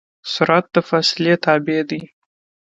سرعت د فاصلې تابع دی.